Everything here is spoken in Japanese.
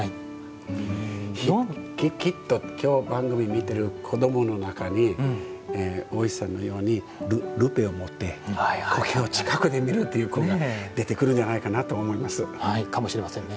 きっと、きょう見ている子どもの中にも大石さんのようにルーペを持って苔を近くで見るという子が出てくるんじゃないかなかもしれませんね。